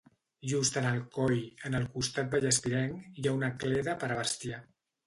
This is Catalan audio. Just en el coll, en el costat vallespirenc, hi ha una cleda per a bestiar.